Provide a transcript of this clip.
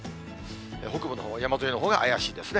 北部のほう、山沿いのほうが怪しいですね。